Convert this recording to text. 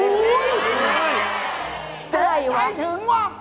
เจ๊ใจถึงว่ะ